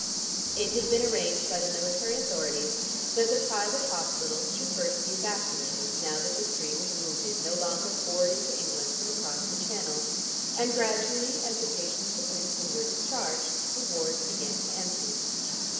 It had been arranged by the military authorities that the private hospitals should first be evacuated now that the stream of wounded no longer poured into England from across the Channel, and gradually as the patients at Winston were discharged, the wards began to empty.